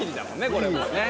これもね。